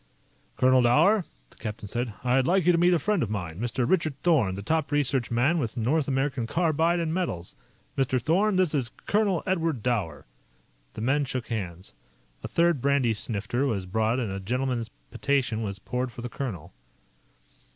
"Colonel Dower," the captain said, "I'd like you to meet a friend of mine Mr. Richard Thorn, the top research man with North American Carbide & Metals. Mr. Thorn, this is Colonel Edward Dower." The men shook hands. A third brandy snifter was brought and a gentleman's potation was poured for the colonel.